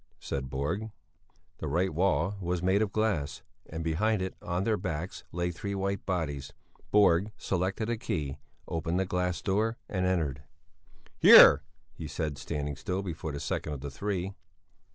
said Borg. The right wall was made of glass, and behind it, on their backs, lay three white bodies. Borg selected a key, opened the glass door, and entered. "Here!" he said, standing still before the second of the three.